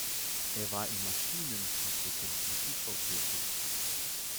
Er war in Maschinenfabriken, im Tiefbau tätig.